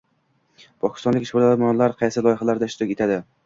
Pokistonlik ishbilarmonlar qaysi loyihalarda ishtirok etadi?